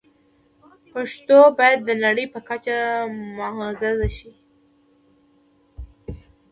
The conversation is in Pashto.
پښتو باید د نړۍ په کچه معزز شي.